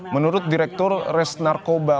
menurut direktur res narkoba